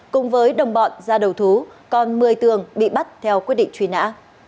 cùng với đồng bọn ra đầu thú còn một mươi tường bị bắt theo quyết định truy nã